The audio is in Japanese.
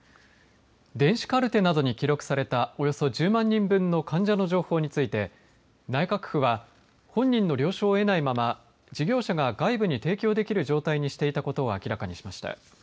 電子カルテなどに記録されたおよそ１０万人分の患者の情報について内閣府は本人の了承を得ないまま事業者が外部に提供できる状態にしていたことを明らかにしました。